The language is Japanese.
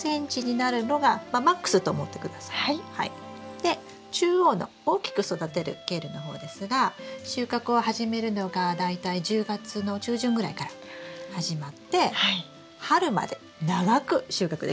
で中央の大きく育てるケールの方ですが収穫を始めるのが大体１０月の中旬ぐらいから始まって春まで長く収穫できます。